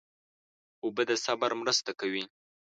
اوبه د صبر مرسته کوي.